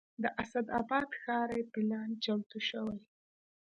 د اسداباد ښاري پلان چمتو شوی